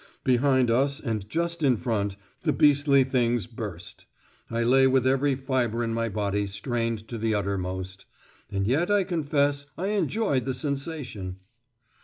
Behind us, and just in front, the beastly things burst. I lay with every fibre in my body strained to the uttermost. And yet I confess I enjoyed the sensation!